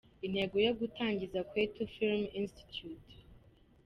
Intego yo gutangiza Kwetu Film Institute.